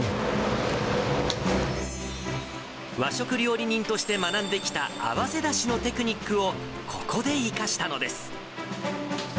和食料理人として学んできた合わせだしのテクニックを、ここで生かしたのです。